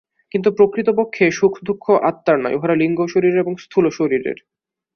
কিন্তু প্রকৃতপক্ষে সুখ-দুঃখ আত্মার নয়, উহারা লিঙ্গশরীরের এবং স্থূলশরীরের।